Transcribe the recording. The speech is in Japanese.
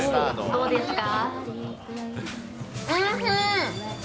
どうですか？